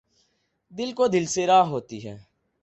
دِل کو دِل سے راہ ہوتی ہے